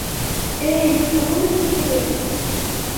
Эй, суҡынып китегеҙ!